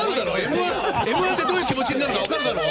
「Ｍ‐１」でどういう気持ちなるか分かるだろ！